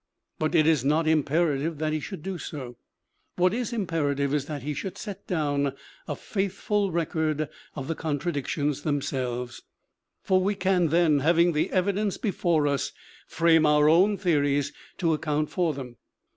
But it is not imperative that he should do so; what is im perative is that he should set down a faithful record of the contradictions themselves; for we can then, having the evidence before us, frame our own theories to account for them.